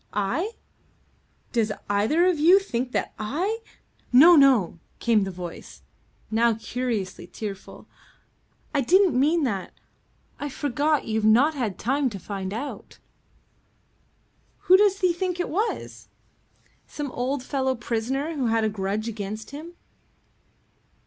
"I? Does either of you think that I ?" "No, no," came the voice, now curiously tearful. "I didn't mean that. I forgot you've not had time to find out." "Who does he think it was?" "Some old fellow prisoner who had a grudge against him."